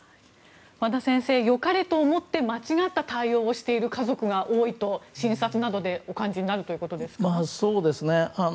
和田先生、良かれと思って間違った対応をしている家族が多いと、診察などでお感じになるということですか。